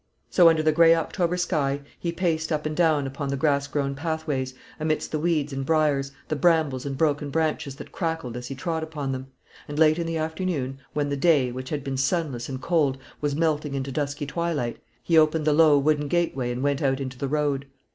So, under the grey October sky he paced up and down upon the grass grown pathways, amidst the weeds and briars, the brambles and broken branches that crackled as he trod upon them; and late in the afternoon, when the day, which had been sunless and cold, was melting into dusky twilight, he opened the low wooden gateway and went out into the road.